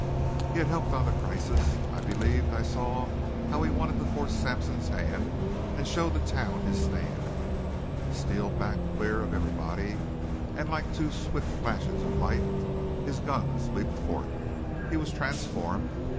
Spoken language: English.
He had helped on the crisis. I believed I saw how he wanted to force Sampson's hand and show the town his stand. Steele backed clear of everybody and like two swift flashes of light his guns leaped forth. He was transformed.